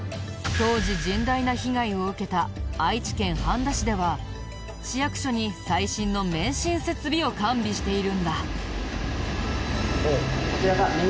当時甚大な被害を受けた愛知県半田市では市役所に最新の免震設備を完備しているんだ。